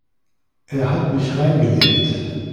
Er hat mich reingelegt.